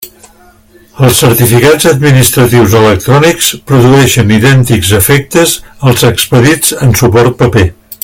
Els certificats administratius electrònics produeixen idèntics efectes als expedits en suport paper.